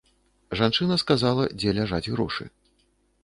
Жанчына сказала, дзе ляжаць грошы.